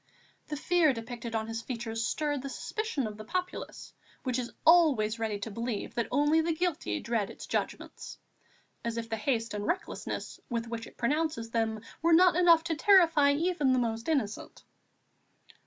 The fear depicted on his features stirred the suspicion of the populace, which is always ready to believe that only the guilty dread its judgments, as if the haste and recklessness with which it pronounces them were not enough to terrify even the most innocent.